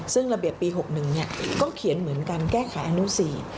ซึ่งระเบียบปี๖๑ก็เขียนเหมือนกันแก้ไขอนุ๔